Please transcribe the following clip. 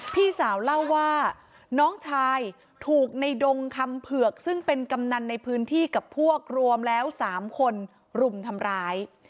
พี่สาวเล่าว่าน้องชายถูกในดงคำเผือกซึ่งเป็นกำนันในพื้นที่กับพวกรวมแล้ว๓คนรุมทำร้าย